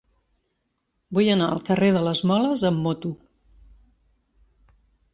Vull anar al carrer de les Moles amb moto.